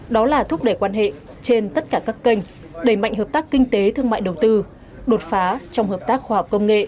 đó là thúc đẩy quan hệ trên tất cả các kênh đẩy mạnh hợp tác kinh tế thương mại đầu tư đột phá trong hợp tác khoa học công nghệ